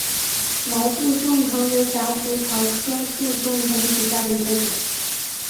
毛杜仲藤为夹竹桃科杜仲藤属下的一个种。